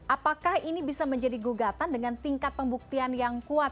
apakah ini bisa menjadi gugatan dengan tingkat pembuktian yang kuat